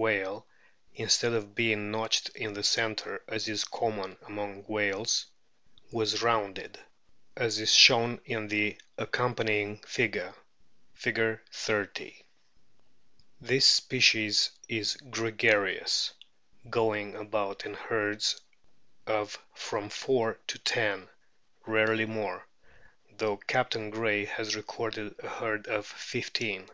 224 A BOOK OF WHALES among whales, was rounded, as is shown in the accompanying figure. (Fig. 30.) This species is gregarious, going about in herds of from four to ten, rarely more, though Captain Gray has recorded a herd of fifteen.